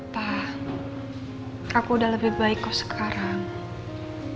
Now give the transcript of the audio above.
tah aku udah lebih baik kok sekarang